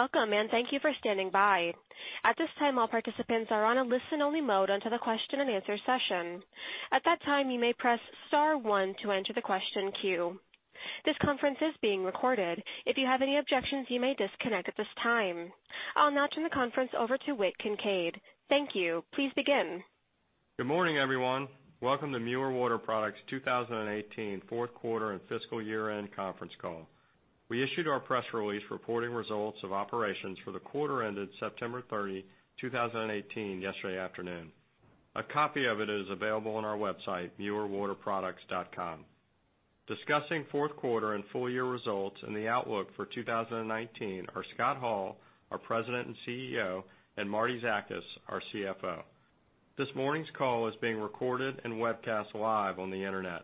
Welcome, thank you for standing by. At this time, all participants are on a listen-only mode until the question and answer session. At that time, you may press star one to enter the question queue. This conference is being recorded. If you have any objections, you may disconnect at this time. I'll now turn the conference over to Whit Kincaid. Thank you. Please begin. Good morning, everyone. Welcome to Mueller Water Products' 2018 fourth quarter and fiscal year-end conference call. We issued our press release reporting results of operations for the quarter ended September 30, 2018 yesterday afternoon. A copy of it is available on our website, muellerwaterproducts.com. Discussing fourth quarter and full-year results and the outlook for 2019 are Scott Hall, our President and CEO, and Martie Zakas, our CFO. This morning's call is being recorded and webcast live on the internet.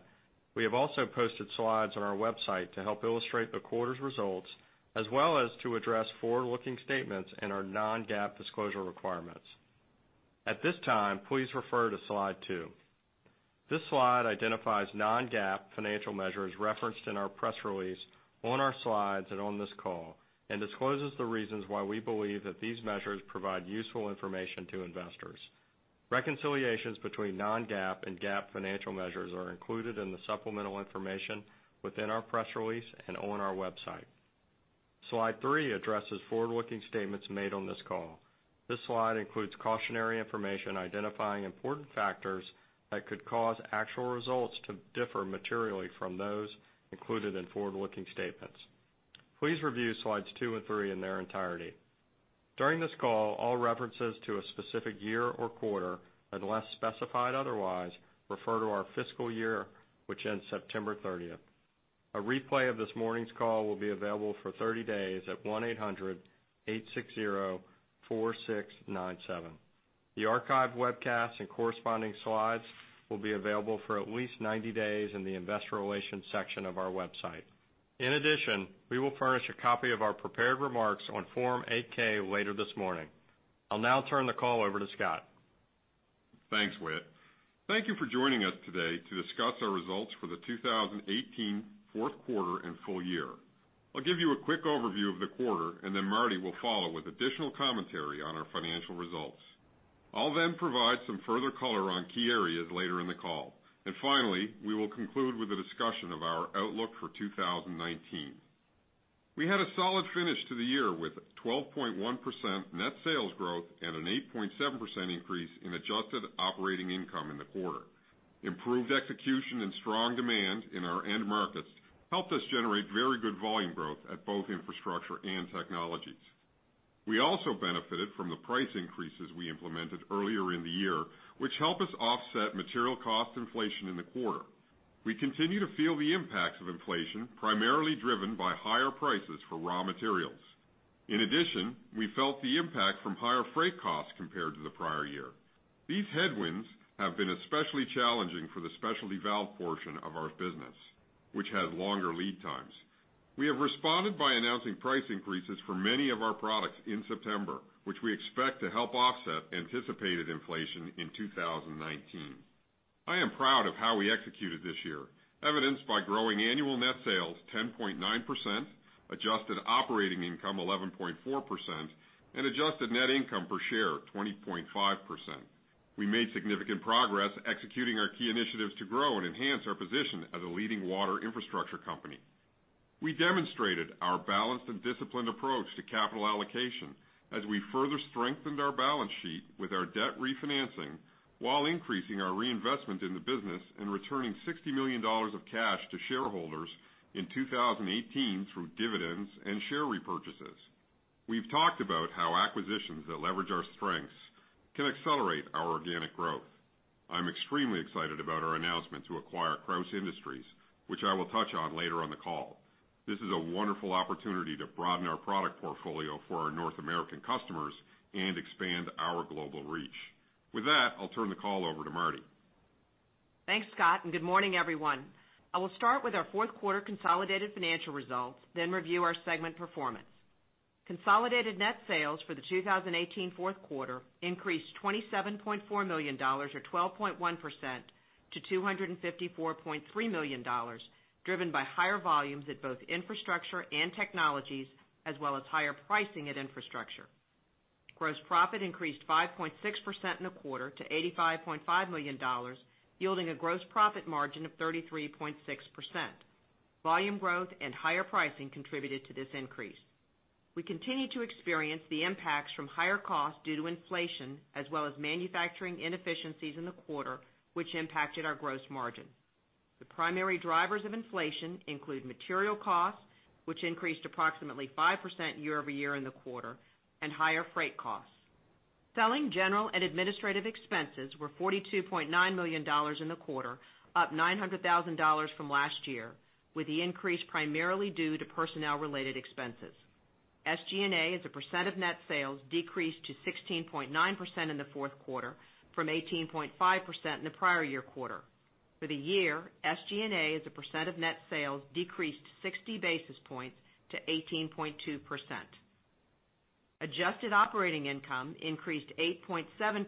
We have also posted slides on our website to help illustrate the quarter's results, as well as to address forward-looking statements and our non-GAAP disclosure requirements. At this time, please refer to Slide 2. This slide identifies non-GAAP financial measures referenced in our press release, on our slides, and on this call and discloses the reasons why we believe that these measures provide useful information to investors. Reconciliations between non-GAAP and GAAP financial measures are included in the supplemental information within our press release and on our website. Slide three addresses forward-looking statements made on this call. This slide includes cautionary information identifying important factors that could cause actual results to differ materially from those included in forward-looking statements. Please review Slides two and three in their entirety. During this call, all references to a specific year or quarter, unless specified otherwise, refer to our fiscal year, which ends September 30th. A replay of this morning's call will be available for 30 days at 1-800-860-4697. The archived webcast and corresponding slides will be available for at least 90 days in the investor relations section of our website. In addition, we will furnish a copy of our prepared remarks on Form 8-K later this morning. I'll now turn the call over to Scott. Thanks, Whit. Thank you for joining us today to discuss our results for the 2018 fourth quarter and full year. I'll give you a quick overview of the quarter, then Martie will follow with additional commentary on our financial results. I'll then provide some further color on key areas later in the call. Finally, we will conclude with a discussion of our outlook for 2019. We had a solid finish to the year with 12.1% net sales growth and an 8.7% increase in adjusted operating income in the quarter. Improved execution and strong demand in our end markets helped us generate very good volume growth at both Infrastructure and Technologies. We also benefited from the price increases we implemented earlier in the year, which help us offset material cost inflation in the quarter. We continue to feel the impacts of inflation, primarily driven by higher prices for raw materials. We felt the impact from higher freight costs compared to the prior year. These headwinds have been especially challenging for the specialty valve portion of our business, which has longer lead times. We have responded by announcing price increases for many of our products in September, which we expect to help offset anticipated inflation in 2019. I am proud of how we executed this year, evidenced by growing annual net sales 10.9%, adjusted operating income 11.4%, and adjusted net income per share 20.5%. We made significant progress executing our key initiatives to grow and enhance our position as a leading water Infrastructure company. We demonstrated our balanced and disciplined approach to capital allocation as we further strengthened our balance sheet with our debt refinancing while increasing our reinvestment in the business and returning $60 million of cash to shareholders in 2018 through dividends and share repurchases. We've talked about how acquisitions that leverage our strengths can accelerate our organic growth. I'm extremely excited about our announcement to acquire Krausz Industries, which I will touch on later on the call. This is a wonderful opportunity to broaden our product portfolio for our North American customers and expand our global reach. With that, I'll turn the call over to Marty. Thanks, Scott. Good morning, everyone. I will start with our fourth quarter consolidated financial results. Review our segment performance. Consolidated net sales for the 2018 fourth quarter increased $27.4 million or 12.1% to $254.3 million, driven by higher volumes at both Infrastructure and Technologies as well as higher pricing at Infrastructure. Gross profit increased 5.6% in the quarter to $85.5 million, yielding a gross profit margin of 33.6%. Volume growth and higher pricing contributed to this increase. We continue to experience the impacts from higher costs due to inflation as well as manufacturing inefficiencies in the quarter, which impacted our gross margin. The primary drivers of inflation include material costs, which increased approximately 5% year-over-year in the quarter, and higher freight costs. Selling, general, and administrative expenses were $42.9 million in the quarter, up $900,000 from last year, with the increase primarily due to personnel-related expenses. SG&A as a % of net sales decreased to 16.9% in the fourth quarter from 18.5% in the prior year quarter. For the year, SG&A as a % of net sales decreased 60 basis points to 18.2%. Adjusted operating income increased 8.7%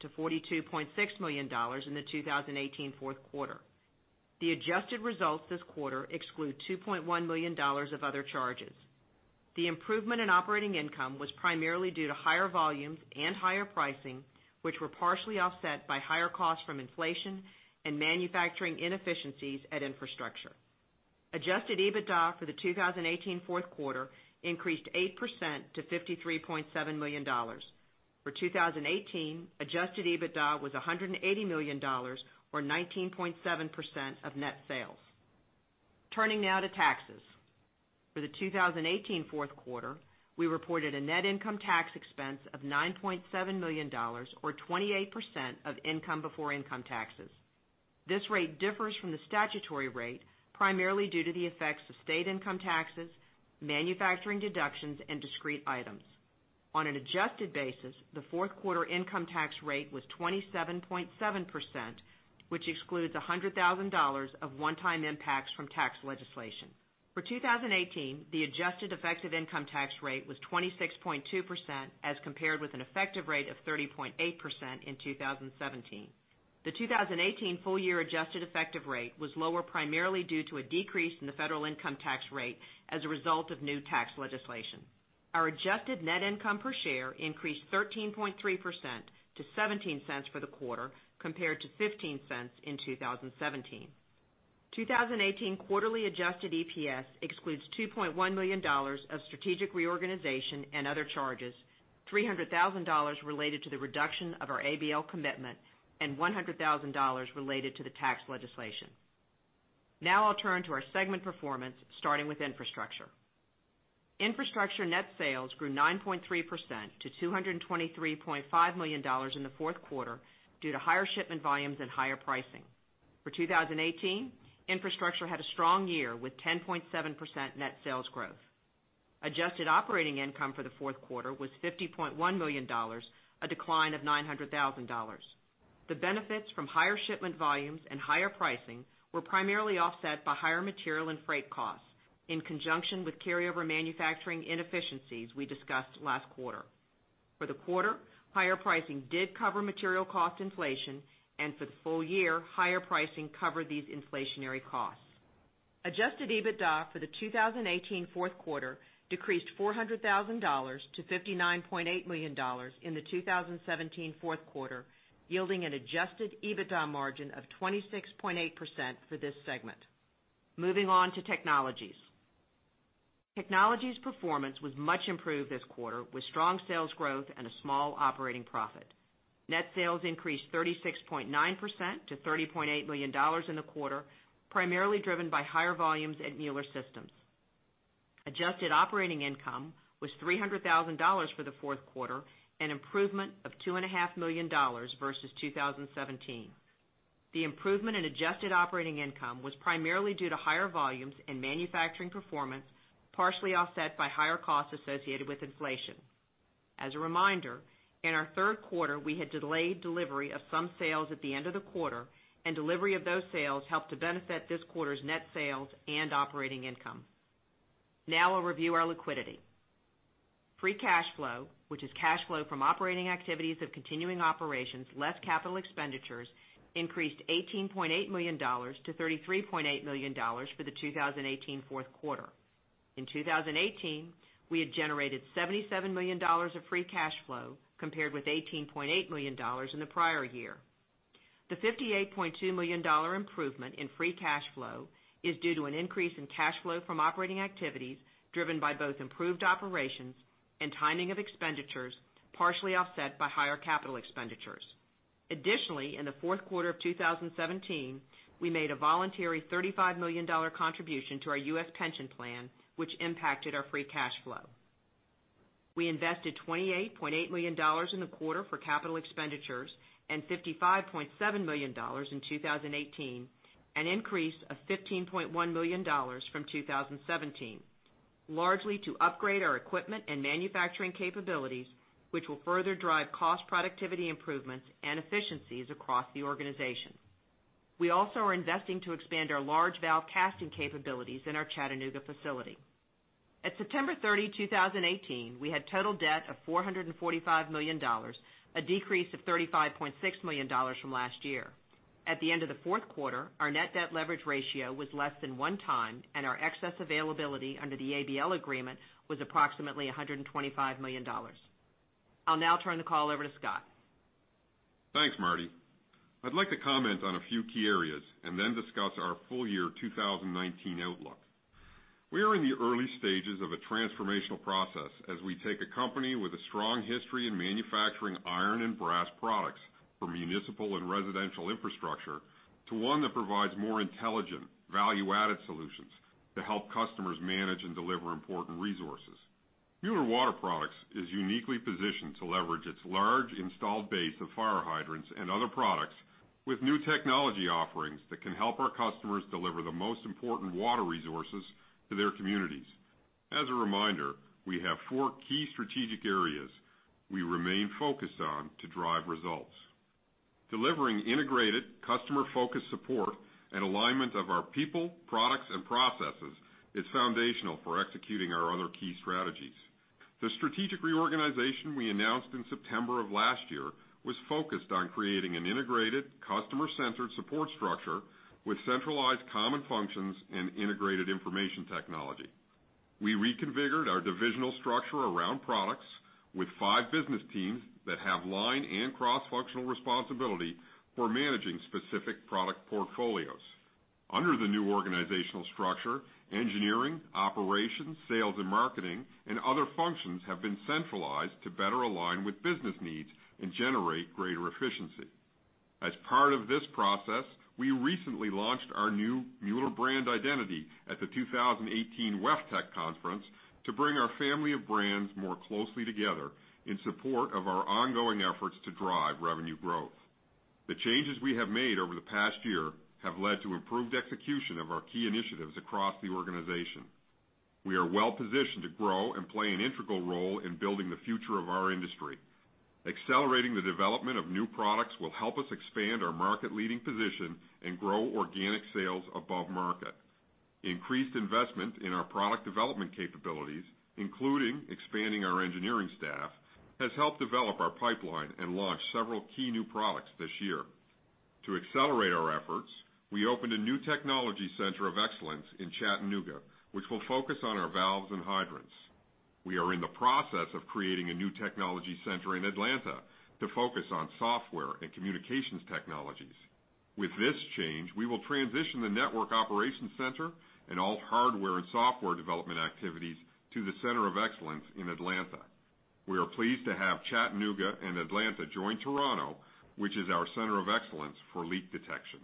to $42.6 million in the 2018 fourth quarter. The adjusted results this quarter exclude $2.1 million of other charges. The improvement in operating income was primarily due to higher volumes and higher pricing, which were partially offset by higher costs from inflation and manufacturing inefficiencies at Infrastructure. Adjusted EBITDA for the 2018 fourth quarter increased 8% to $53.7 million. For 2018, adjusted EBITDA was $180 million, or 19.7% of net sales. Turning now to taxes. For the 2018 fourth quarter, we reported a net income tax expense of $9.7 million, or 28% of income before income taxes. This rate differs from the statutory rate primarily due to the effects of state income taxes, manufacturing deductions, and discrete items. On an adjusted basis, the fourth quarter income tax rate was 27.7%, which excludes $100,000 of one-time impacts from tax legislation. For 2018, the adjusted effective income tax rate was 26.2%, as compared with an effective rate of 30.8% in 2017. The 2018 full year adjusted effective rate was lower, primarily due to a decrease in the federal income tax rate as a result of new tax legislation. Our adjusted net income per share increased 13.3% to $0.17 for the quarter, compared to $0.15 in 2017. 2018 quarterly adjusted EPS excludes $2.1 million of strategic reorganization and other charges, $300,000 related to the reduction of our ABL commitment, and $100,000 related to the tax legislation. I'll turn to our segment performance, starting with Infrastructure. Infrastructure net sales grew 9.3% to $223.5 million in the fourth quarter due to higher shipment volumes and higher pricing. For 2018, Infrastructure had a strong year with 10.7% net sales growth. Adjusted operating income for the fourth quarter was $50.1 million, a decline of $900,000. The benefits from higher shipment volumes and higher pricing were primarily offset by higher material and freight costs in conjunction with carryover manufacturing inefficiencies we discussed last quarter. For the quarter, higher pricing did cover material cost inflation, and for the full year, higher pricing covered these inflationary costs. Adjusted EBITDA for the 2018 fourth quarter decreased $400,000 to $59.8 million in the 2017 fourth quarter, yielding an adjusted EBITDA margin of 26.8% for this segment. Moving on to Technologies. Technologies performance was much improved this quarter, with strong sales growth and a small operating profit. Net sales increased 36.9% to $30.8 million in the quarter, primarily driven by higher volumes at Mueller Systems. Adjusted operating income was $300,000 for the fourth quarter, an improvement of $2.5 million versus 2017. The improvement in adjusted operating income was primarily due to higher volumes and manufacturing performance, partially offset by higher costs associated with inflation. As a reminder, in our third quarter, we had delayed delivery of some sales at the end of the quarter, and delivery of those sales helped to benefit this quarter's net sales and operating income. We'll review our liquidity. Free cash flow, which is cash flow from operating activities of continuing operations, less capital expenditures, increased $18.8 million to $33.8 million for the 2018 fourth quarter. In 2018, we had generated $77 million of free cash flow, compared with $18.8 million in the prior year. The $58.2 million improvement in free cash flow is due to an increase in cash flow from operating activities driven by both improved operations and timing of expenditures, partially offset by higher capital expenditures. Additionally, in the fourth quarter of 2017, we made a voluntary $35 million contribution to our U.S. pension plan, which impacted our free cash flow. We invested $28.8 million in the quarter for capital expenditures and $55.7 million in 2018, an increase of $15.1 million from 2017, largely to upgrade our equipment and manufacturing capabilities, which will further drive cost productivity improvements and efficiencies across the organization. We also are investing to expand our large valve casting capabilities in our Chattanooga facility. At September 30, 2018, we had total debt of $445 million, a decrease of $35.6 million from last year. At the end of the fourth quarter, our net debt leverage ratio was less than one time, and our excess availability under the ABL agreement was approximately $125 million. I'll now turn the call over to Scott. Thanks, Martie. I'd like to comment on a few key areas and then discuss our full year 2019 outlook. We are in the early stages of a transformational process as we take a company with a strong history in manufacturing iron and brass products for municipal and residential infrastructure to one that provides more intelligent, value-added solutions to help customers manage and deliver important resources. Mueller Water Products is uniquely positioned to leverage its large installed base of fire hydrants and other products with new technology offerings that can help our customers deliver the most important water resources to their communities. As a reminder, we have four key strategic areas we remain focused on to drive results. Delivering integrated customer-focused support and alignment of our people, products, and processes is foundational for executing our other key strategies. The strategic reorganization we announced in September of last year was focused on creating an integrated, customer-centered support structure with centralized common functions and integrated information technology. We reconfigured our divisional structure around products with five business teams that have line and cross-functional responsibility for managing specific product portfolios. Under the new organizational structure, engineering, operations, sales and marketing, and other functions have been centralized to better align with business needs and generate greater efficiency. As part of this process, we recently launched our new Mueller brand identity at the 2018 WEFTEC conference to bring our family of brands more closely together in support of our ongoing efforts to drive revenue growth. The changes we have made over the past year have led to improved execution of our key initiatives across the organization. We are well-positioned to grow and play an integral role in building the future of our industry. Accelerating the development of new products will help us expand our market-leading position and grow organic sales above market. Increased investment in our product development capabilities, including expanding our engineering staff, has helped develop our pipeline and launch several key new products this year. To accelerate our efforts, we opened a new technology center of excellence in Chattanooga, which will focus on our valves and hydrants. We are in the process of creating a new technology center in Atlanta to focus on software and communications technologies. With this change, we will transition the network operations center and all hardware and software development activities to the center of excellence in Atlanta. We are pleased to have Chattanooga and Atlanta join Toronto, which is our center of excellence for leak detection.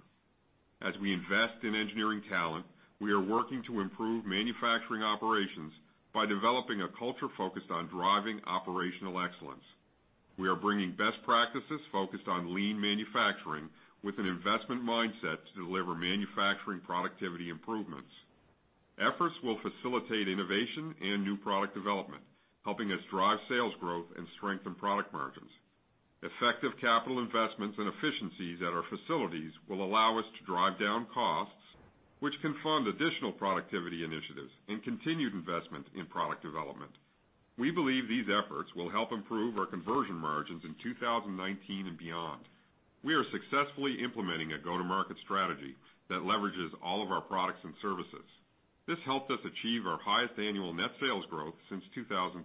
As we invest in engineering talent, we are working to improve manufacturing operations by developing a culture focused on driving operational excellence. We are bringing best practices focused on lean manufacturing with an investment mindset to deliver manufacturing productivity improvements. Efforts will facilitate innovation and new product development, helping us drive sales growth and strengthen product margins. Effective capital investments and efficiencies at our facilities will allow us to drive down costs, which can fund additional productivity initiatives and continued investment in product development. We believe these efforts will help improve our conversion margins in 2019 and beyond. We are successfully implementing a go-to-market strategy that leverages all of our products and services. This helped us achieve our highest annual net sales growth since 2013.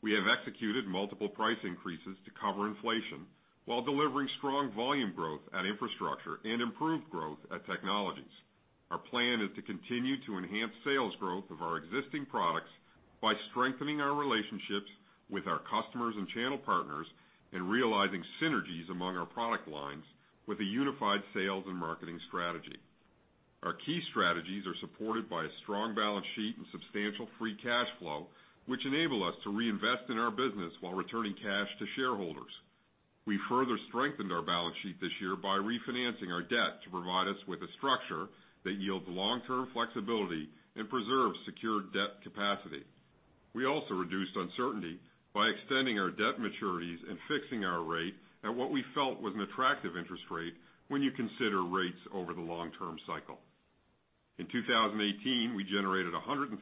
We have executed multiple price increases to cover inflation, while delivering strong volume growth at Infrastructure and improved growth at Technologies. Our plan is to continue to enhance sales growth of our existing products by strengthening our relationships with our customers and channel partners and realizing synergies among our product lines with a unified sales and marketing strategy. Our key strategies are supported by a strong balance sheet and substantial free cash flow, which enable us to reinvest in our business while returning cash to shareholders. We further strengthened our balance sheet this year by refinancing our debt to provide us with a structure that yields long-term flexibility and preserves secured debt capacity. We also reduced uncertainty by extending our debt maturities and fixing our rate at what we felt was an attractive interest rate, when you consider rates over the long-term cycle. In 2018, we generated $133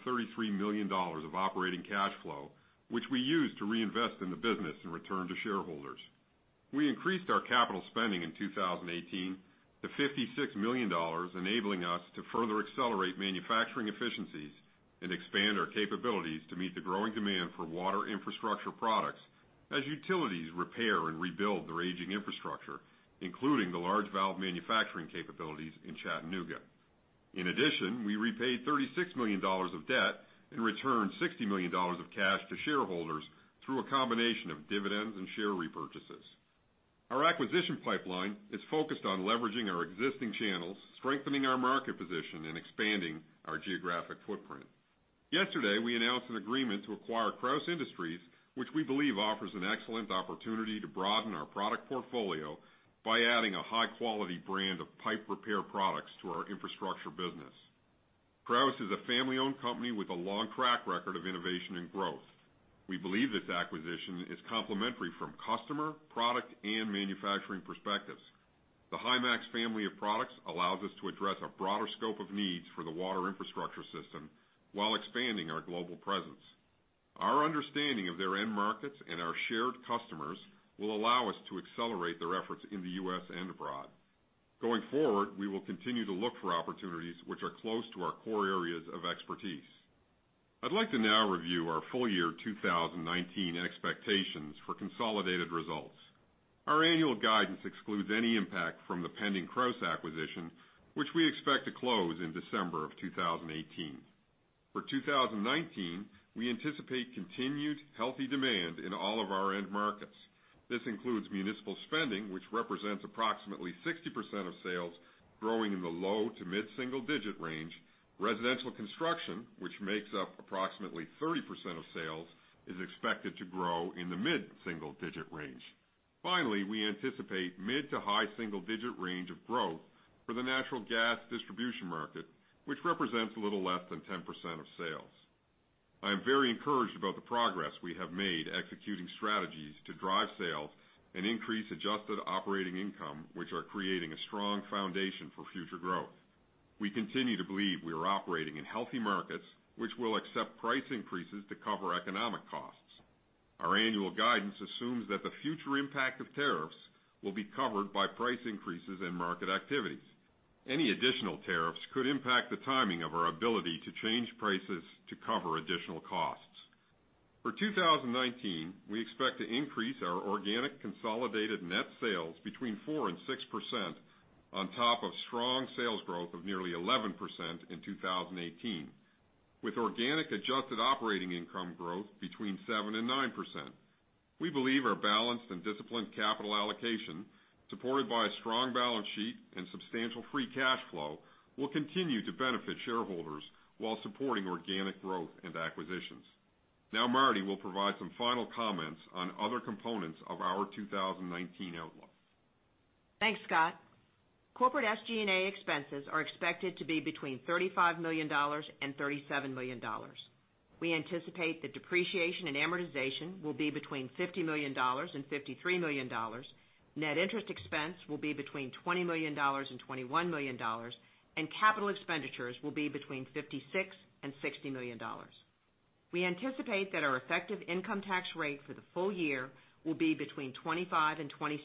million of operating cash flow, which we used to reinvest in the business and return to shareholders. We increased our capital spending in 2018 to $56 million, enabling us to further accelerate manufacturing efficiencies and expand our capabilities to meet the growing demand for water Infrastructure products as utilities repair and rebuild their aging infrastructure, including the large valve manufacturing capabilities in Chattanooga. In addition, we repaid $36 million of debt and returned $60 million of cash to shareholders through a combination of dividends and share repurchases. Our acquisition pipeline is focused on leveraging our existing channels, strengthening our market position, and expanding our geographic footprint. Yesterday, we announced an agreement to acquire Krausz Industries, which we believe offers an excellent opportunity to broaden our product portfolio by adding a high-quality brand of pipe repair products to our Infrastructure business. Krausz is a family-owned company with a long track record of innovation and growth. We believe this acquisition is complementary from customer, product, and manufacturing perspectives. The HYMAX family of products allows us to address a broader scope of needs for the water Infrastructure system while expanding our global presence. Our understanding of their end markets and our shared customers will allow us to accelerate their efforts in the U.S. and abroad. Going forward, we will continue to look for opportunities which are close to our core areas of expertise. I'd like to now review our full year 2019 expectations for consolidated results. Our annual guidance excludes any impact from the pending Krausz acquisition, which we expect to close in December of 2018. For 2019, we anticipate continued healthy demand in all of our end markets. This includes municipal spending, which represents approximately 60% of sales growing in the low to mid-single digit range. Residential construction, which makes up approximately 30% of sales, is expected to grow in the mid-single digit range. Finally, we anticipate mid to high single digit range of growth for the natural gas distribution market, which represents a little less than 10% of sales. I am very encouraged about the progress we have made executing strategies to drive sales and increase adjusted operating income, which are creating a strong foundation for future growth. We continue to believe we are operating in healthy markets, which will accept price increases to cover economic costs. Our annual guidance assumes that the future impact of tariffs will be covered by price increases in market activities. Any additional tariffs could impact the timing of our ability to change prices to cover additional costs. For 2019, we expect to increase our organic consolidated net sales between 4% and 6% on top of strong sales growth of nearly 11% in 2018. With organic adjusted operating income growth between 7% and 9%. We believe our balanced and disciplined capital allocation, supported by a strong balance sheet and substantial free cash flow, will continue to benefit shareholders while supporting organic growth and acquisitions. Now Marty will provide some final comments on other components of our 2019 outlook. Thanks, Scott. Corporate SG&A expenses are expected to be between $35 million and $37 million. We anticipate that depreciation and amortization will be between $50 million and $53 million. Net interest expense will be between $20 million and $21 million, and capital expenditures will be between $56 million and $60 million. We anticipate that our effective income tax rate for the full year will be between 25% and 27%.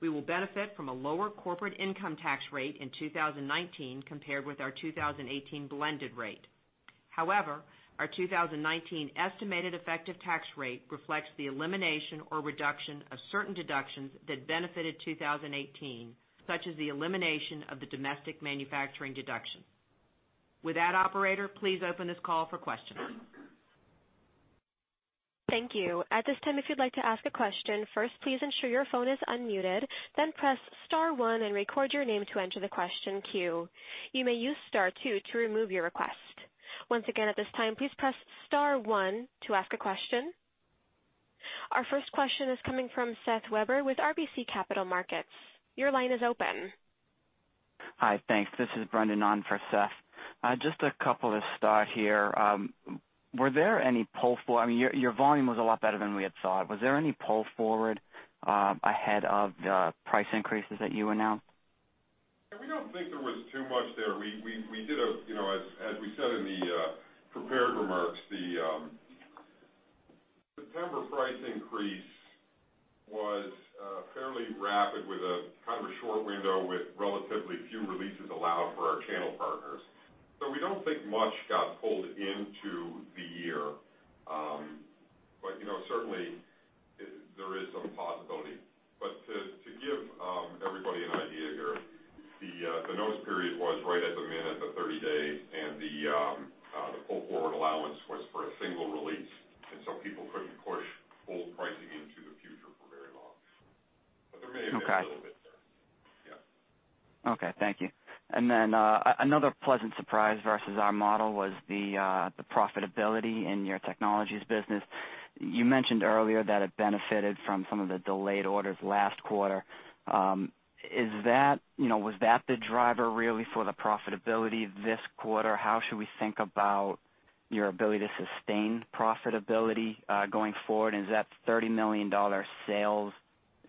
We will benefit from a lower corporate income tax rate in 2019 compared with our 2018 blended rate. However, our 2019 estimated effective tax rate reflects the elimination or reduction of certain deductions that benefited 2018, such as the elimination of the domestic manufacturing deduction. With that, operator, please open this call for questions. Thank you. At this time, if you'd like to ask a question, first please ensure your phone is unmuted, then press *1 and record your name to enter the question queue. You may use *2 to remove your request. Once again, at this time, please press *1 to ask a question. Our first question is coming from Seth Weber with RBC Capital Markets. Your line is open. Hi, thanks. This is Brendan on for Seth. Just a couple to start here. Your volume was a lot better than we had thought. Was there any pull forward, ahead of the price increases that you announced? Yeah, we don't think there was too much there. As we said in the prepared remarks, the September price increase was fairly rapid with a short window with relatively few releases allowed for our channel partners. We don't think much got pulled into the year. Certainly, there is some possibility. To give everybody an idea here, the notice period was right at the min, at the 30-day, and the pull-forward allowance was for a single release, and so people couldn't push old pricing into the future for very long. Okay a little bit there. Yeah. Okay. Thank you. Another pleasant surprise versus our model was the profitability in your Technologies business. You mentioned earlier that it benefited from some of the delayed orders last quarter. Was that the driver really for the profitability this quarter? How should we think about your ability to sustain profitability, going forward? Is that $30 million sales,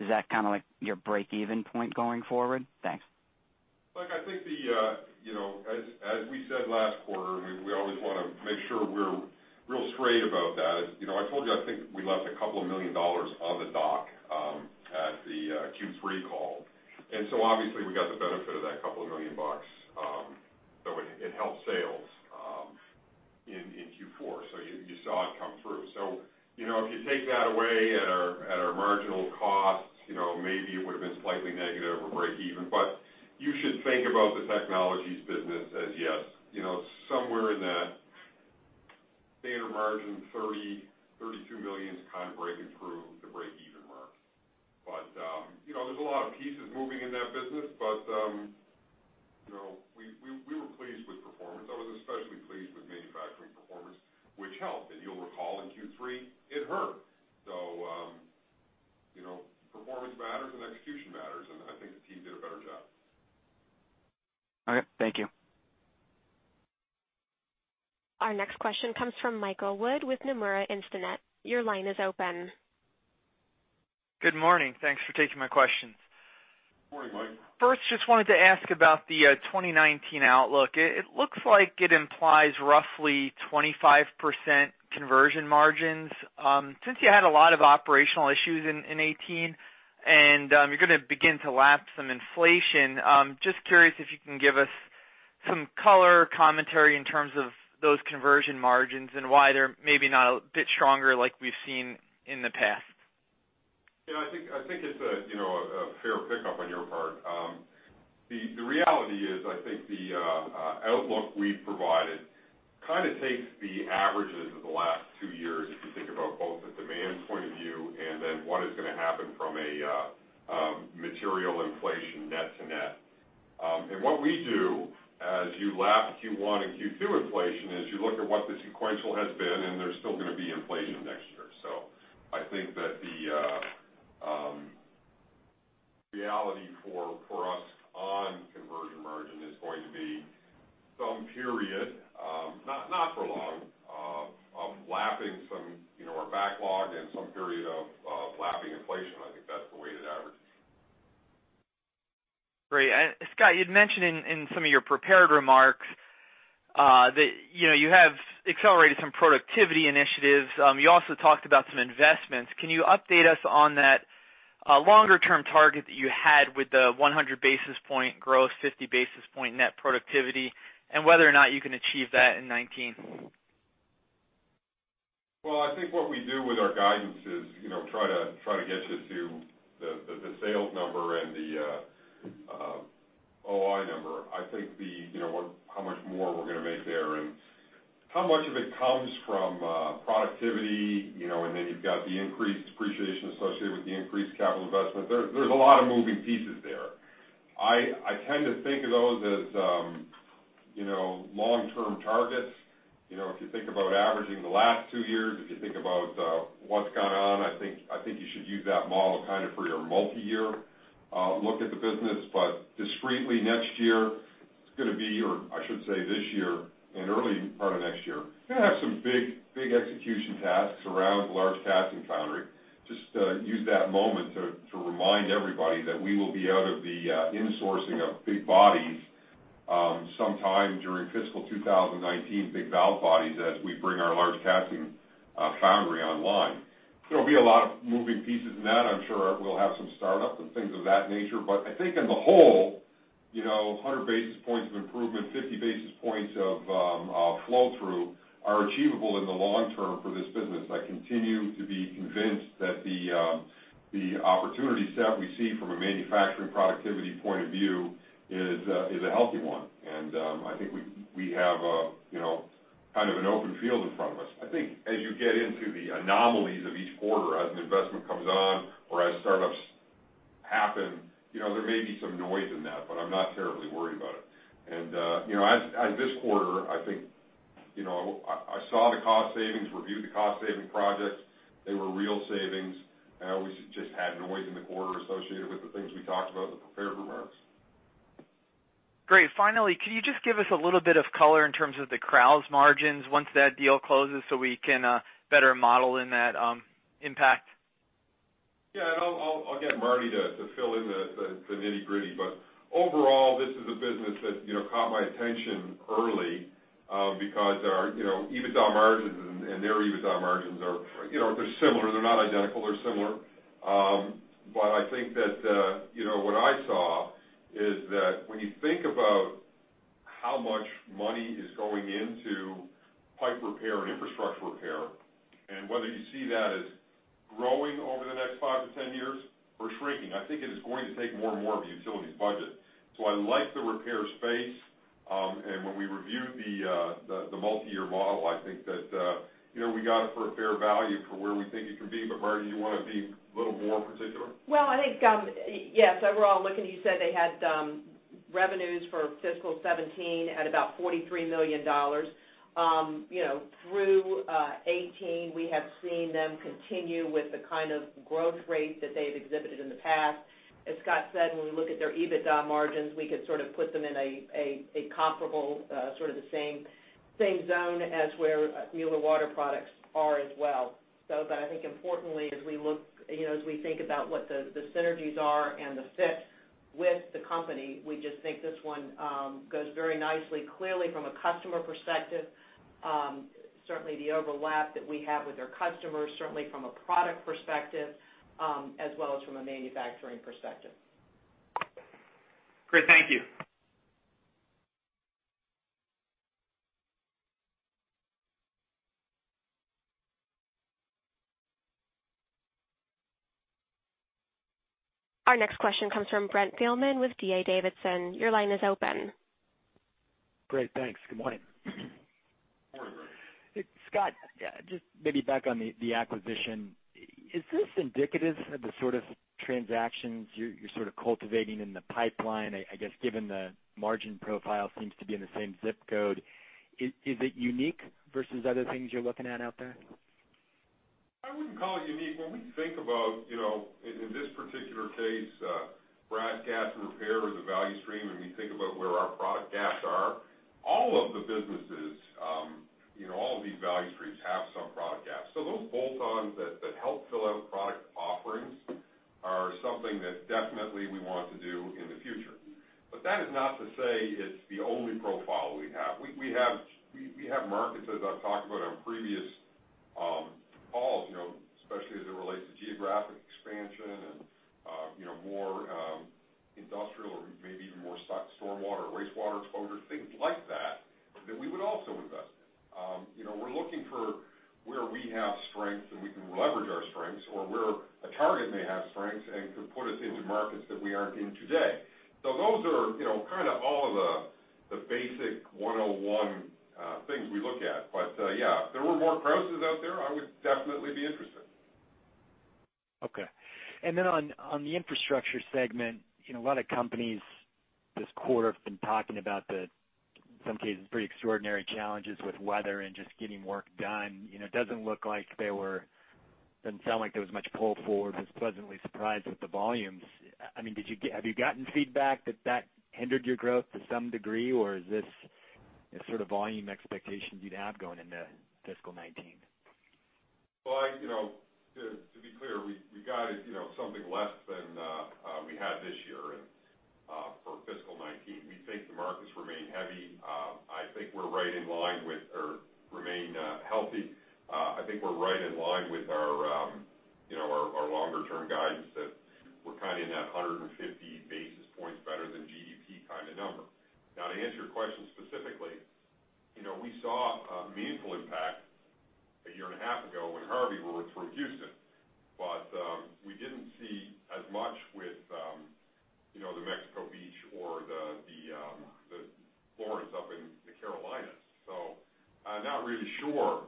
is that kind of like your break-even point going forward? Thanks. Look, as we said last quarter, we always want to make sure we're real straight about that. I told you I think we left $2 million on the dock, at the Q3 call. Obviously we got the benefit of that $2 million, so it helped sales in Q4. You saw it come through. If you take that away at our marginal costs, maybe it would've been slightly negative or break even. You should think about the Technologies business as yes, somewhere in that theater margin, $30 million-$32 million to kind of break it through the break even mark. There's a lot of pieces moving in that business, but we were pleased with performance. I was especially pleased with manufacturing performance, which helped. You'll recall in Q3, it hurt. Performance matters and execution matters, and I think the team did a better job. Okay. Thank you. Our next question comes from Michael Wood with Nomura Instinet. Your line is open. Good morning. Thanks for taking my question. Morning, Mike. First, just wanted to ask about the 2019 outlook. It looks like it implies roughly 25% conversion margins. Since you had a lot of operational issues in 2018 and you're going to begin to lap some inflation, just curious if you can give us some color, commentary in terms of those conversion margins and why they're maybe not a bit stronger like we've seen in the past. Yeah, I think it's a fair pick-up on your part. The reality is, I think the outlook we've provided kind of takes the averages of the last two years, if you think about both the demand point of view and then what is going to happen from a material inflation net to net. What we do as you lap Q1 and Q2 inflation is you look at what the sequential has been, and there's still going to be inflation next year. I think that the reality for us on conversion margin is going period, not for long, of lapping some of our backlog and some period of lapping inflation. I think that's the weighted average. Great. Scott, you'd mentioned in some of your prepared remarks that you have accelerated some productivity initiatives. You also talked about some investments. Can you update us on that longer-term target that you had with the 100 basis points growth, 50 basis points net productivity, and whether or not you can achieve that in 2019? Well, I think what we do with our guidance is try to get you to the sales number and the OI number. I think how much more we're going to make there and how much of it comes from productivity, and then you've got the increased depreciation associated with the increased capital investment. There's a lot of moving pieces there. I tend to think of those as long-term targets. If you think about averaging the last two years, if you think about what's gone on, I think you should use that model for your multi-year look at the business. Discretely next year, or I should say this year and early part of next year, going to have some big execution tasks around large casting foundry. Just to use that moment to remind everybody that we will be out of the insourcing of big bodies sometime during fiscal 2019, big valve bodies, as we bring our large casting foundry online. There'll be a lot of moving pieces in that. I'm sure we'll have some startup and things of that nature. I think in the whole, 100 basis points of improvement, 50 basis points of flow-through are achievable in the long term for this business. I continue to be convinced that the opportunity set we see from a manufacturing productivity point of view is a healthy one, and I think we have an open field in front of us. I think as you get into the anomalies of each quarter, as an investment comes on or as startups happen, there may be some noise in that, but I'm not terribly worried about it. This quarter, I think I saw the cost savings, reviewed the cost-saving projects. They were real savings, and we just had noise in the quarter associated with the things we talked about in the prepared remarks. Great. Finally, can you just give us a little bit of color in terms of the Krausz margins once that deal closes so we can better model in that impact? Yeah. I'll get Martie to fill in the nitty-gritty, overall, this is a business that caught my attention early because our EBITDA margins and their EBITDA margins are similar. They're not identical, they're similar. I think that what I saw is that when you think about how much money is going into pipe repair and Infrastructure repair, and whether you see that as growing over the next 5 to 10 years or shrinking, I think it is going to take more and more of a utilities budget. I like the repair space. When we reviewed the multi-year model, I think that we got it for a fair value for where we think it can be. Martie, do you want to be a little more particular? I think, yes, overall, looking, you said they had revenues for fiscal 2017 at about $43 million. Through 2018, we have seen them continue with the kind of growth rate that they've exhibited in the past. As Scott said, when we look at their EBITDA margins, we could sort of put them in a comparable, sort of the same zone as where Mueller Water Products are as well. I think importantly, as we think about what the synergies are and the fit with the company, we just think this one goes very nicely. Clearly, from a customer perspective, certainly the overlap that we have with their customers, certainly from a product perspective, as well as from a manufacturing perspective. Great. Thank you. Our next question comes from Brent Thielman with D.A. Davidson. Your line is open. Great, thanks. Good morning. Morning, Brent. Scott, just maybe back on the acquisition. Is this indicative of the sort of transactions you're sort of cultivating in the pipeline? I guess given the margin profile seems to be in the same zip code. Is it unique versus other things you're looking at out there? I wouldn't call it unique. When we think about, in this particular case, brass casting repair or the value stream, and we think about where our product gaps are, all of the businesses, all of these value streams have some product gaps. Those bolt-ons that help fill out product offerings are something that definitely we want to do in the future. That is not to say it's the only profile we have. We have markets, as I've talked about on previous calls, especially as it relates to geographic expansion and more industrial or maybe even more stormwater or wastewater exposure, things like that we would also invest in. We're looking for where we have strengths and we can leverage our strengths, or where a target may have strengths and could put us into markets that we aren't in today. Those are kind of all of the basic 101 things we look at. Yeah, if there were more Krausz out there, I would definitely be interested. Okay. On the Infrastructure segment, a lot of companies this quarter have been talking about the, in some cases, pretty extraordinary challenges with weather and just getting work done. Doesn't sound like there was much pull forward, was pleasantly surprised with the volumes. Have you gotten feedback that that hindered your growth to some degree, or is this a sort of volume expectation you'd have going into fiscal 2019? To be clear, we guided something less than we had this year and for fiscal 2019. We think the markets remain heavy. I think we're right in line with or remain healthy. I think we're right in line with our longer-term guidance, that we're kind of in that 150 basis points better than GDP kind of number. To answer your question specifically, we saw a meaningful impact a year and a half ago when Hurricane Harvey roared through Houston. We didn't see as much with the Mexico Beach or the Hurricane Florence up in the Carolinas. I'm not really sure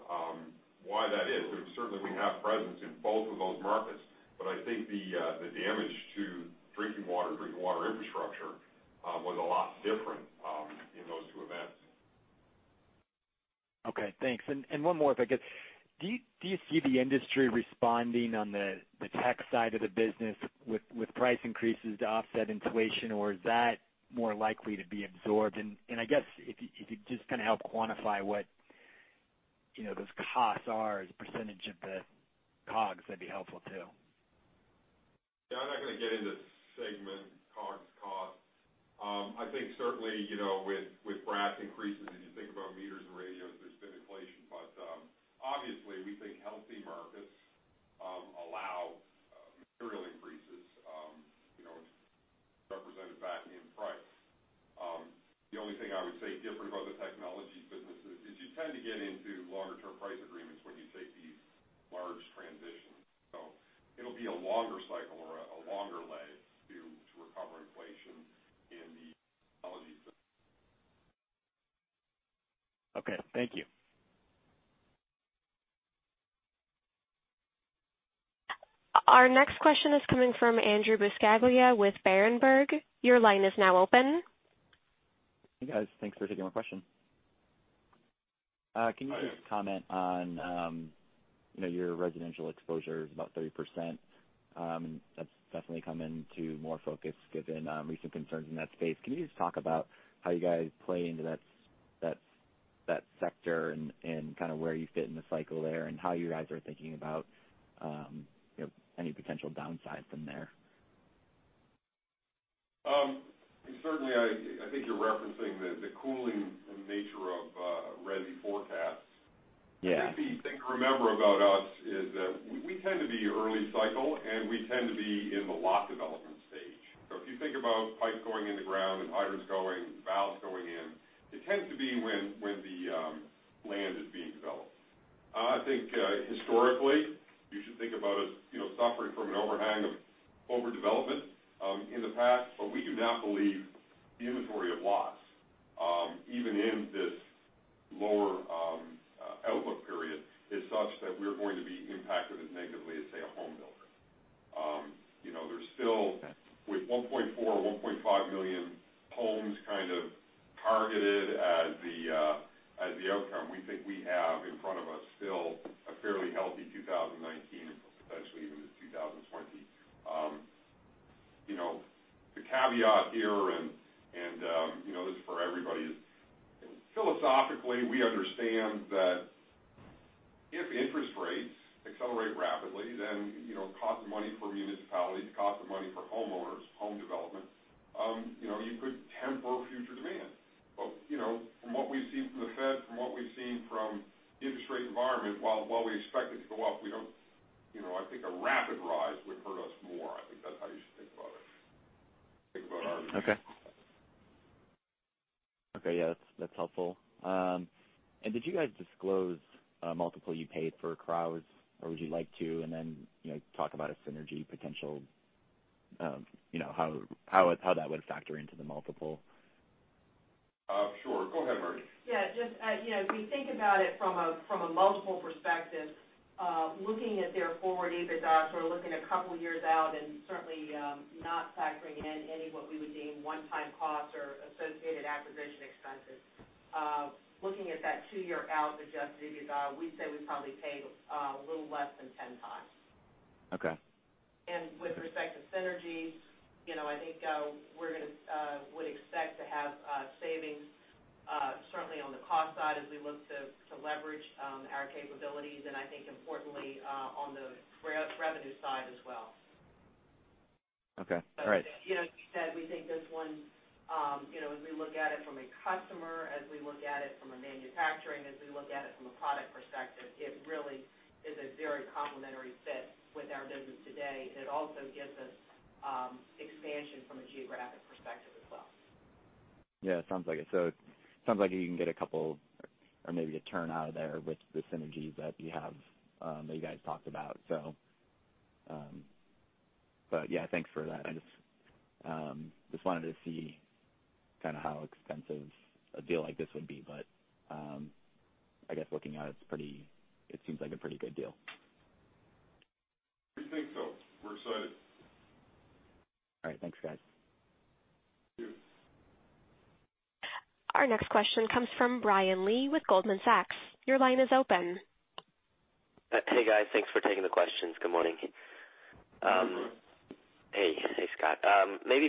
why that is, because certainly we have presence in both of those markets. I think the damage to drinking water, drinking water infrastructure, was a lot different in those two events. Okay, thanks. One more if I could. Do you see the industry responding on the tech side of the business with price increases to offset inflation, or is that more likely to be absorbed? I guess, if you could just help quantify what those costs are as a percentage of the COGS, that'd be helpful too. Yeah, I'm not going to get into segment COGS costs. I think certainly, with brass increases, as you think about meters and radios, there's been inflation. Obviously, we think healthy markets allow material increases, represented back in price. The only thing I would say different about the Technologies business is you tend to get into longer-term price agreements when you take these large transitions. It'll be a longer cycle or a longer leg to recover inflation in the Technologies. Okay, thank you. Our next question is coming from Andrew Buscaglia with Berenberg. Your line is now open. Hey, guys. Thanks for taking my question. Hi. Can you just comment on your residential exposure is about 30%, That's definitely come into more focus given recent concerns in that space. Can you just talk about how you guys play into that sector and kind of where you fit in the cycle there and how you guys are thinking about any potential downsides from there? Certainly, I think you're referencing the cooling nature of resi forecasts. Yeah. The thing to remember about us is that we tend to be early cycle, We tend to be in the lot development stage. If you think about pipes going in the ground and hydrants going, valves going in, they tend to be when the land is being developed. I think historically, you should think about us suffering from an overhang of overdevelopment in the past. We do not believe the inventory of Okay. All right. Like you said, we think this one, as we look at it from a customer, as we look at it from a manufacturing, as we look at it from a product perspective, it really is a very complementary fit with our business today. It also gives us expansion from a geographic perspective as well. Yeah, it sounds like it. It sounds like you can get a couple or maybe a turn out of there with the synergies that you have that you guys talked about. Yeah, thanks for that. I just wanted to see how expensive a deal like this would be. I guess looking at it seems like a pretty good deal. We think so. We're excited. All right. Thanks, guys. Thank you. Our next question comes from Brian Lee with Goldman Sachs. Your line is open. Hey, guys. Thanks for taking the questions. Good morning. Good morning.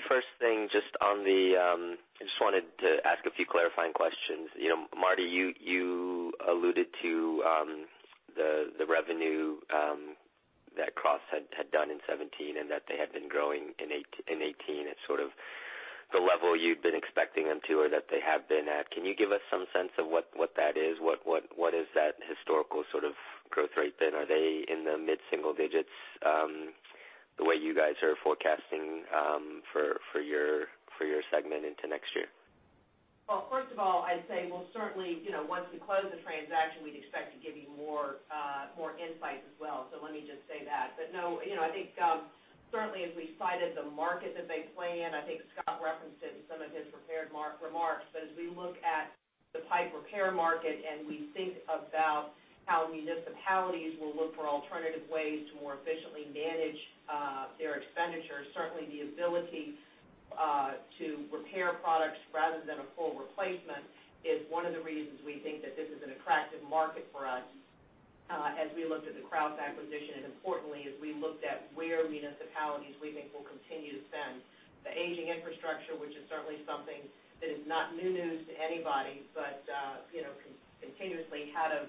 First thing, I just wanted to ask a few clarifying questions. Marty, you alluded to the revenue that Krausz had done in 2017, and that they had been growing in 2018 at the level you'd been expecting them to, or that they have been at. Can you give us some sense of what that is? What is that historical sort of growth rate then? Are they in the mid-single digits the way you guys are forecasting for your segment into next year? First of all, I'd say we'll certainly, once we close the transaction, we'd expect to give you more insights as well. Let me just say that. No, I think certainly as we cited the market that they play in, I think Scott referenced it in some of his prepared remarks, but as we look at the pipe repair market, and we think about how municipalities will look for alternative ways to more efficiently manage their expenditures, certainly the ability to repair products rather than a full replacement is one of the reasons we think that this is an attractive market for us as we looked at the Krausz acquisition. Importantly, as we looked at where municipalities, we think, will continue to spend. The aging infrastructure, which is certainly something that is not new news to anybody, but continuously how do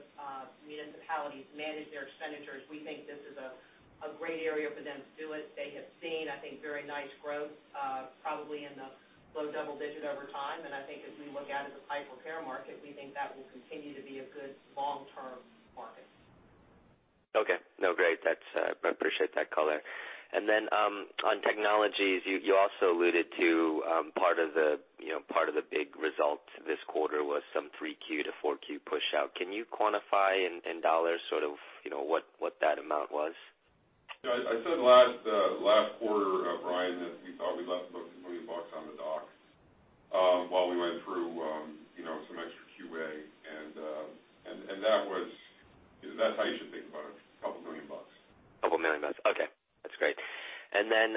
municipalities manage their expenditures? We think this is a great area for them to do it. They have seen, I think, very nice growth, probably in the low double-digit over time. I think as we look out at the pipe repair market, we think that will continue to be a good long-term market. Okay. No, great. I appreciate that color. Then on Technologies, you also alluded to part of the big results this quarter was some 3Q to 4Q push-out. Can you quantify in dollars what that amount was? Yeah. I said last quarter, Brian, that we thought we left about $2 million on the docks while we went through some extra QA, that's how you should think about it, a couple of million dollars. A couple of million dollars. Okay, that's great. Then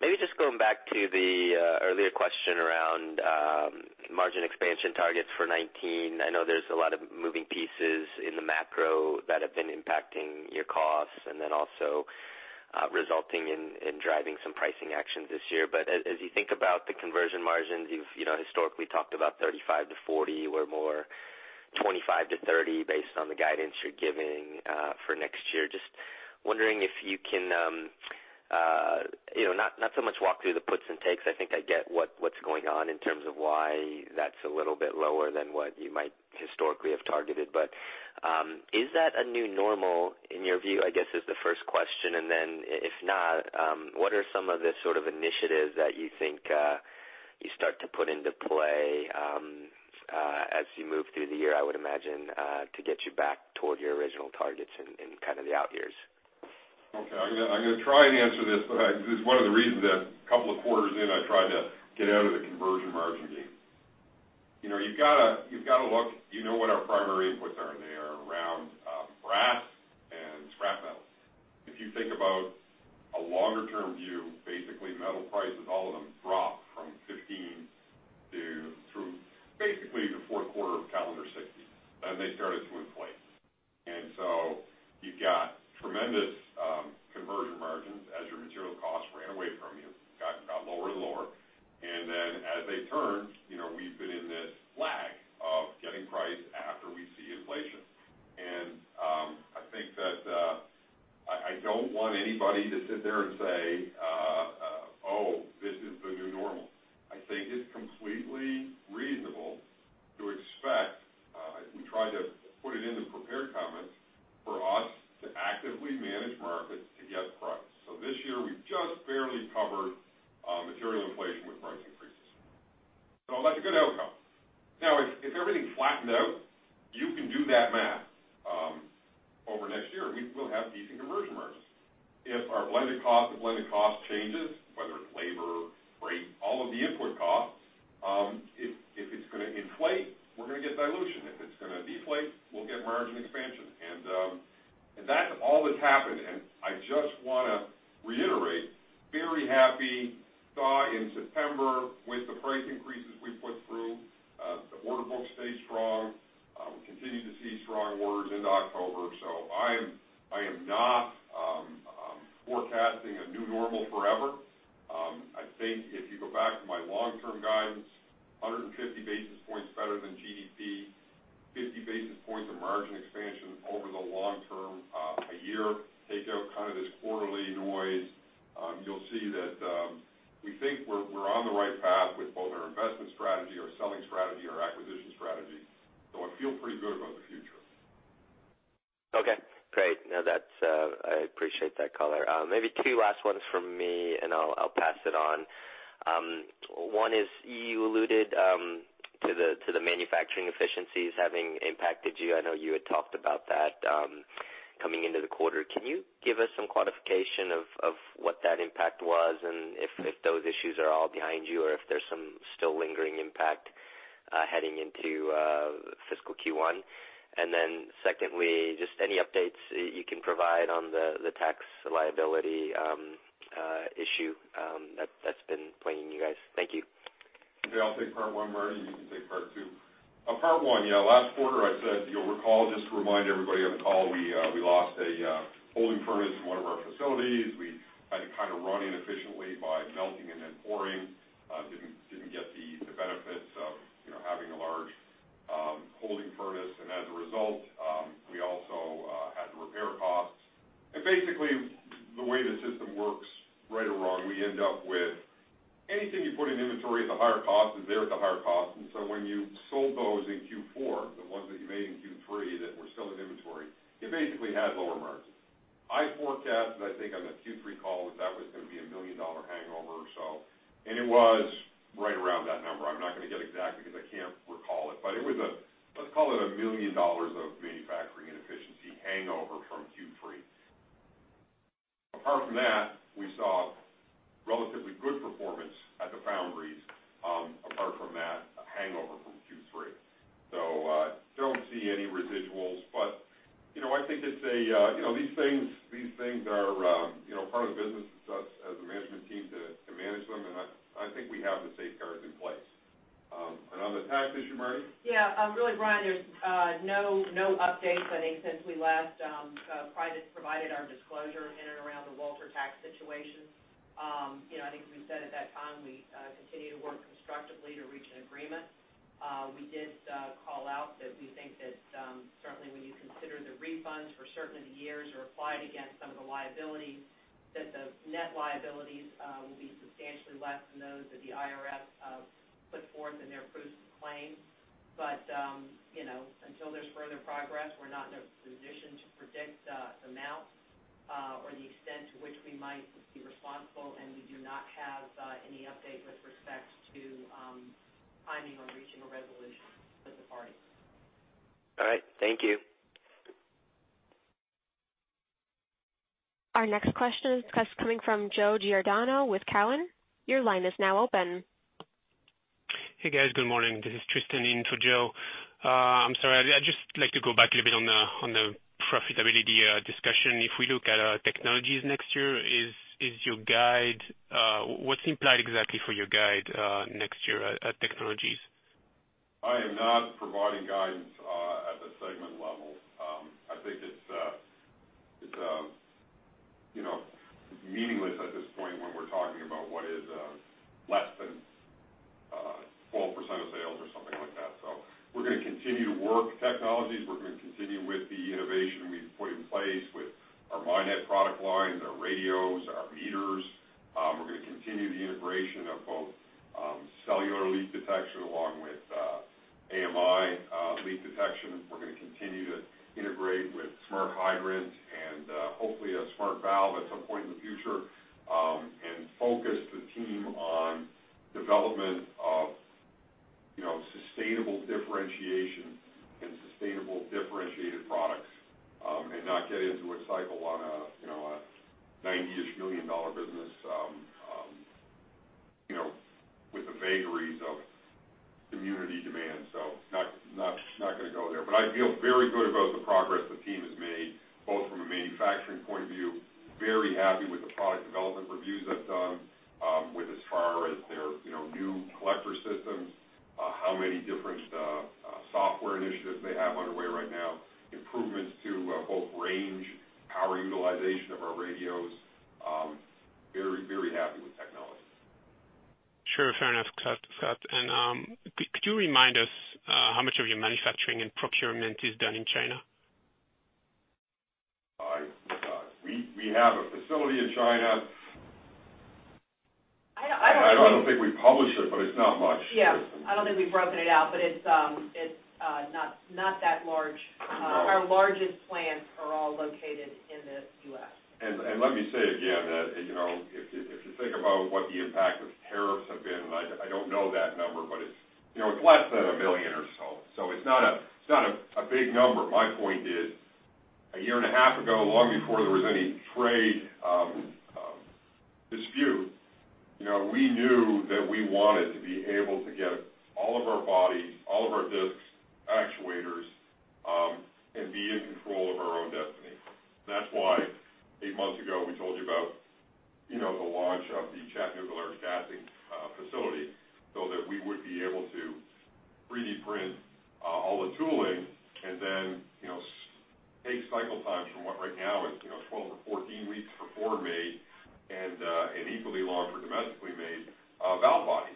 maybe just going back to the earlier question around margin expansion targets for 2019. I know there's a lot of moving pieces in the macro that have been impacting your costs and then also resulting in driving some pricing action this year. As you think about the conversion margins, you've historically talked about 35%-40% or more 25%-30% based on the guidance you're giving for next year. Just wondering if you can, not so much walk through the puts and takes. I think I get what's going on in terms of why that's a little bit lower than what you might historically have targeted. Is that a new normal in your view, I guess is the first question. If not, what are some of the sort of initiatives that you think you start to put into play as you move through the year, I would imagine, to get you back toward your original targets in kind of the out years? Okay. I'm going to try and answer this is one of the reasons that a couple of quarters in, I tried to get out of the conversion margin game. You've got to look, you know what our primary inputs are, they are around brass and scrap metals. If you think about a longer-term view, basically metal prices, all of them, dropped from 2015 through basically the fourth quarter of calendar 2016. They started to inflate. You've got tremendous conversion margins as your material costs ran away from you, got lower and lower, as they turned, we've been in this lag of getting price after we see inflation. I think that I don't want anybody to sit there and say, "Oh, Secondly, just any updates you can provide on the tax liability issue that's been plaguing you guys. Thank you. Okay, I'll take part one, Marty, and you can take part two. Part one, last quarter I said, you'll recall, just to remind everybody on the call, we lost a holding furnace in one of our facilities. We had to kind of run inefficiently by melting and then pouring. Didn't get the benefits of having a large holding furnace and as a result, we also had the repair costs. Basically, the way the system works, right or wrong, we end up with anything you put in inventory at the higher cost is there at the higher cost. When you sold those in Q4, the ones that you made in Q3 that were still in inventory, it basically had lower margins. I forecasted, I think on the Q3 call, that that was going to be a $1 million hangover or so. It was right around that number. I'm not going to get exact because I can't recall it, but it was, let's call it a $1 million of manufacturing inefficiency hangover from Q3. Apart from that, we saw relatively good performance at the foundries, apart from that hangover from Q3. I don't see any residuals. I think these things are part of the business. It's up as a management team to manage them, and I think we have the safeguards in place. On the tax issue, Marty? Yeah. Really, Brian, there's no updates. I think since we last provided our disclosure in and around the Walter tax situation. I think as we said at that time, we continue to work constructively to reach an agreement. We did call out that we think that certainly when you consider the refunds for certain of the years are applied against some of the liability, that the net liabilities will be substantially less than those that the IRS put forth in their proofs of claim. Until there's further progress, we're not in a position to predict the amount or the extent to which we might be responsible, and we do not have any update with respect to timing on reaching a resolution with the parties. All right. Thank you. Our next question is coming from Joe Giordano with Cowen. Your line is now open. Hey, guys. Good morning. This is Tristan in for Joe. I'm sorry, I'd just like to go back a little bit on the profitability discussion. If we look at Technologies next year, what's implied exactly for your guide next year at Technologies? I am not providing guidance at the segment level. I think it's meaningless at this point when we're talking about what is less than 12% of sales or something like that. We're going to continue to work Technologies. We're going to continue with the innovation we've put in place with our Mi.Net product line, our radios, our meters. We're going to continue the integration of both cellular leak detection along with AMI leak detection. We're going to continue to integrate with smart hydrant and hopefully a smart valve at some point in the future, and focus the team on development of sustainable differentiation and sustainable differentiated products, and not get into a cycle on a $90-ish million business with the vagaries of community demand. Not going to go there. I feel very good about the progress the team has made, both from a manufacturing point of view, very happy with the product development reviews I've done with as far as their new collector systems, how many different software initiatives they have underway right now, improvements to both range, power utilization of our radios. Very happy with technology. Sure. Fair enough, Scott. Could you remind us how much of your manufacturing and procurement is done in China? We have a facility in China. I don't- I don't think we publish it, but it's not much. Yeah. I don't think we've broken it out, but it's not that large. No. Our largest plants are all located in the U.S. Let me say again that, if you think about what the impact of tariffs have been, I don't know that number, but it's less than $1 million or so. It's not a big number. My point is, a year and a half ago, long before there was any trade dispute, we knew that we wanted to be able to get all of our bodies, all of our discs, actuators, and be in control of our own destiny. That's why eight months ago, we told you about the launch of the Chattanooga large casting facility so that we would be able to 3D print all the tooling and then take cycle times from what right now is 12 to 14 weeks for foreign-made, and an equally long for domestically made, valve bodies.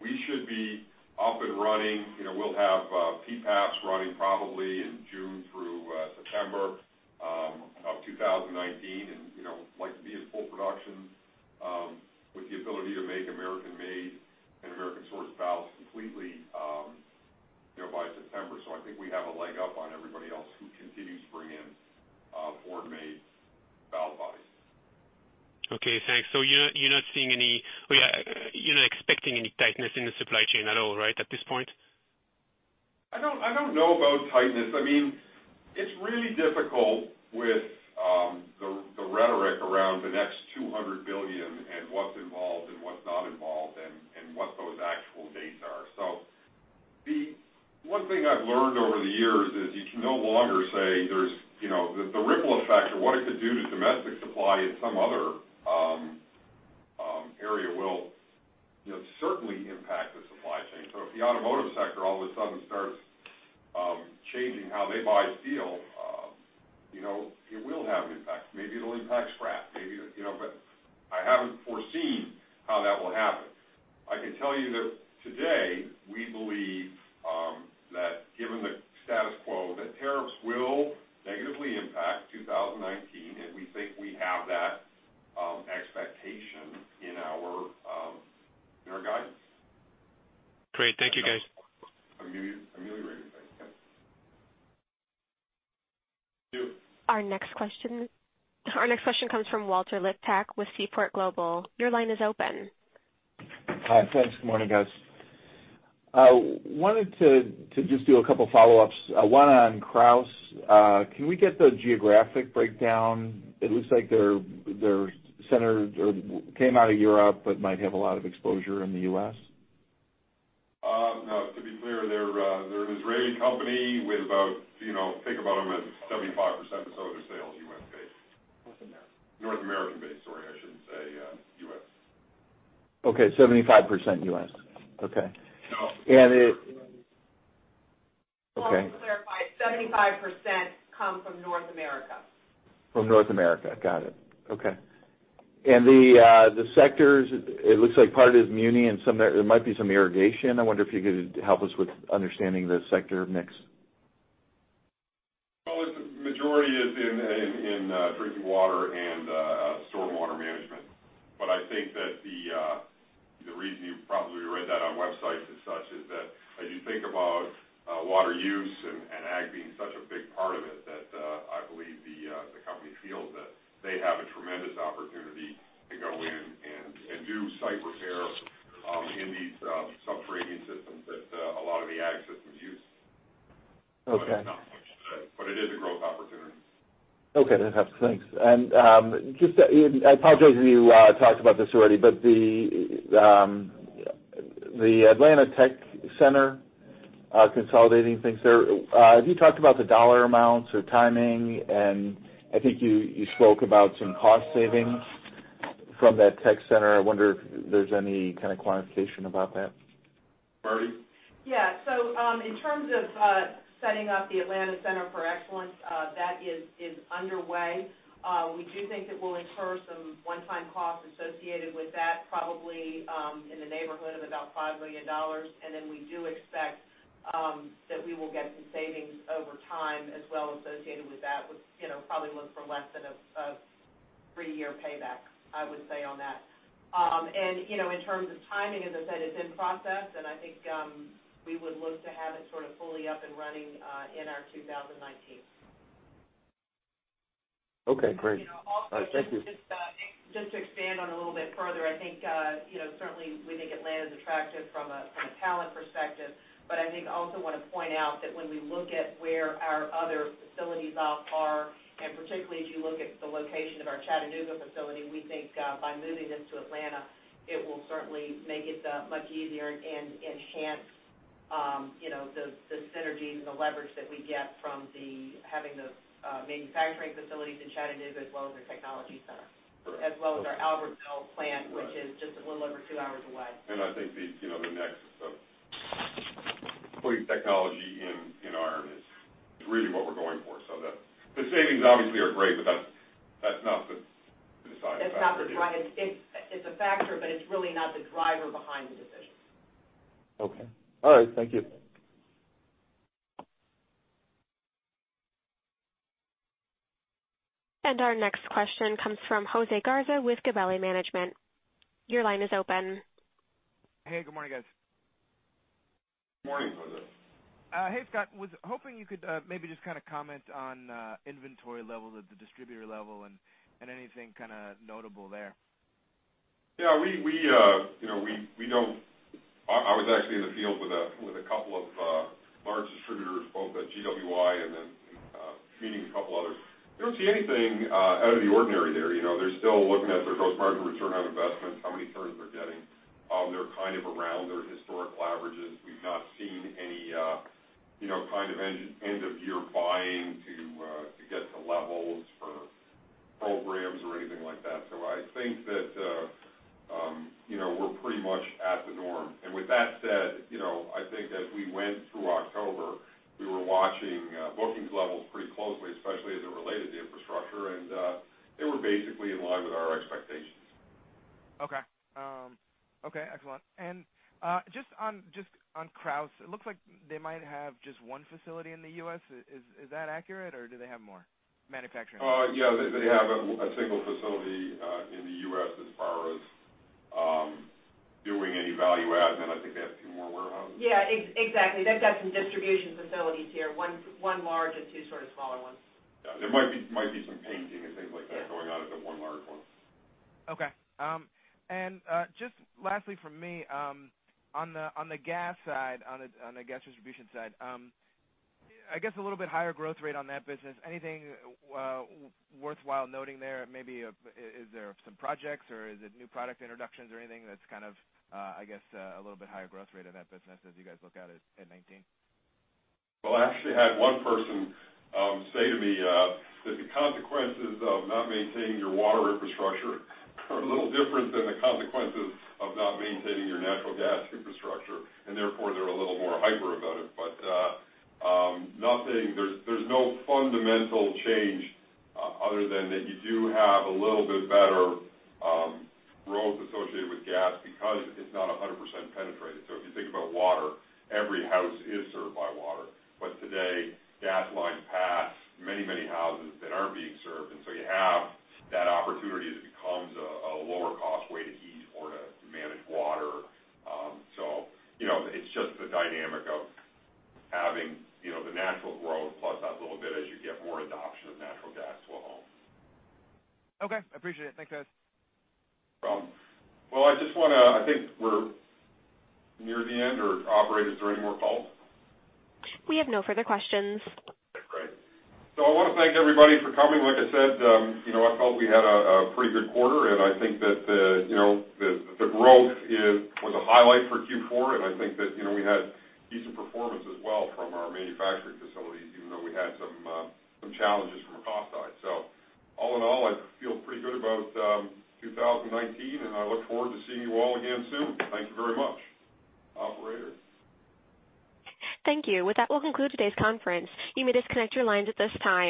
We should be up and running. We'll have PPAPs running probably in June through September of 2019, and like to be in full production with the ability to make American-made and American-sourced valves completely by September. I think we have a leg up on everybody else who continues to bring in foreign-made valve bodies. Okay, thanks. You're not expecting any tightness in the supply chain at all, right, at this point? I don't know about tightness. It's really difficult with the rhetoric around the next $200 billion and what's involved and what's not involved and what those actual dates are. The one thing I've learned over the years is you can no longer say there's the ripple effect or what it could do to domestic supply in some other area will certainly impact the supply chain. If the automotive sector all of a sudden starts changing how they buy steel, it will have an impact. Maybe it'll impact scrap. I haven't foreseen how that will happen. I can tell you that today we believe that given the status quo, that tariffs will negatively impact 2019, and we think we have that expectation in our guidance. Great. Thank you, guys. Ameliorating factors. Our next question comes from Walter Liptak with Seaport Global. Your line is open. Hi, thanks. Good morning, guys. Wanted to just do a couple follow-ups, one on Krausz. Can we get the geographic breakdown? It looks like they came out of Europe, but might have a lot of exposure in the U.S. No, to be clear, they're an Israeli company, think about them as 75% or so of their sales, U.S.-based. North American-based, sorry, I should say U.S. Okay, 75% U.S. Okay. No. Okay. Just to clarify, 75% come from North America. From North America. Got it. Okay. The sectors, it looks like part of it is muni, and there might be some irrigation. I wonder if you could help us with understanding the sector mix. Well, the majority is in drinking water and storm water management. I think that the reason you probably read that on websites as such is that as you think about water use and ag being such a big part of it, that I believe the company feels that they have a tremendous opportunity to go in and do site repair in these sub-irrigating systems that a lot of the ag systems use. Okay. It is a growth opportunity. Okay, that helps. Thanks. I apologize if you talked about this already, the Atlanta Center for Excellence consolidating things there, have you talked about the dollar amounts or timing? I think you spoke about some cost savings from that Center for Excellence. I wonder if there's any kind of quantification about that. Marty? Yeah. In terms of setting up the Atlanta Center for Excellence, that is underway. We do think it will incur some one-time costs associated with that, probably in the neighborhood of about $5 million. Then we do expect that we will get some savings over time as well associated with that. Would probably look for less than a three-year payback, I would say, on that. In terms of timing, as I said, it's in process, and I think we would look to have it sort of fully up and running in our 2019. Okay, great. All right. Thank you. Just to expand on it a little bit further, I think certainly we think Atlanta's attractive from a talent perspective, but I think I also want to point out that when we look at where our other facilities are, and particularly if you look at the location of our Chattanooga facility, we think by moving this to Atlanta, it will certainly make it much easier and enhance the synergy and the leverage that we get from having the manufacturing facilities in Chattanooga as well as their technology center. As well as our Albertville plant, which is just a little over two hours away. I think the nexus of putting technology in iron is really what we're going for. The savings obviously are great, but that's not the deciding factor. It's a factor, but it's really not the driver behind the decision. Okay. All right. Thank you. Our next question comes from Jose Garza with Gabelli Management. Your line is open. Hey, good morning, guys. Good morning, Jose. Hey, Scott, was hoping you could maybe just comment on inventory levels at the distributor level and anything notable there. Yeah. I was actually in the field with a couple of large distributors, both at GWI and then meeting a couple others. We don't see anything out of the ordinary there. They're still looking at their gross margin return on investments, how many turns they're getting. They're kind of around their historic averages. We've not seen any kind of end-of-year buying to get to levels for programs or anything like that. I think that we're pretty much at the norm. With that said, I think as we went through October, we were watching bookings levels pretty closely, especially as it related to Infrastructure, and they were basically in line with our expectations. Okay. Excellent. Just on Krausz, it looks like they might have just one facility in the U.S. Is that accurate, or do they have more? Manufacturing. Yeah, they have a single facility in the U.S. as far as doing any value add, and then I think they have two more warehouses. Yeah, exactly. They've got some distribution facilities here, one large and two sort of smaller. Okay. Just lastly from me, on the gas distribution side, I guess a little bit higher growth rate on that business. Anything worthwhile noting there? Maybe is there some projects, or is it new product introductions or anything that's, I guess, a little bit higher growth rate in that business as you guys look out at 2019? Well, I actually had one person say to me that the consequences of not maintaining your water infrastructure are a little different than the consequences of not maintaining your natural gas infrastructure, and therefore they're a little more hyper about it. There's no fundamental change other than that you do have a little bit better growth associated with gas because it's not 100% penetrated. If you think about water, every house is served by water. Today, gas lines pass many houses that aren't being served, and so you have that opportunity as it becomes a lower cost way to heat or to manage water. It's just the dynamic of having the natural growth plus that little bit as you get more adoption of natural gas to a home. Okay. I appreciate it. Thanks, guys. No problem. Well, I think we're near the end, or operator, is there any more calls? We have no further questions. Great. I want to thank everybody for coming. Like I said, I felt we had a pretty good quarter, I think that the growth was a highlight for Q4, I think that we had decent performance as well from our manufacturing facilities, even though we had some challenges from our cost side. All in all, I feel pretty good about 2019, I look forward to seeing you all again soon. Thank you very much. Operator? Thank you. With that, we'll conclude today's conference. You may disconnect your lines at this time.